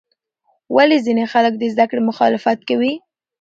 ولې ځینې خلک د زده کړې مخالفت کوي؟